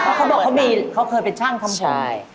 เขาบอกเขาเคยเป็นช่างทำผม